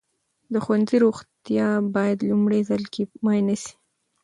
د ښوونځي روغتیا باید لومړي ځل کې معاینه سي.